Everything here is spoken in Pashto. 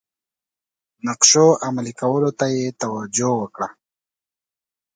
نقشو عملي کولو ته توجه وکړه.